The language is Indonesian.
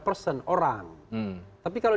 person orang tapi kalau